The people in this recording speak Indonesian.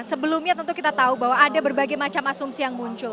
sebelumnya tentu kita tahu bahwa ada berbagai macam asumsi yang muncul